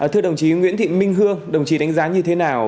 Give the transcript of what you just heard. thưa đồng chí nguyễn thị minh hương đồng chí đánh giá như thế nào